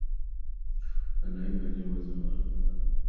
Anaimba nyimbo za mahaba